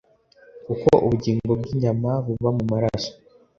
Kuko ubugingo bw inyama buba mu maraso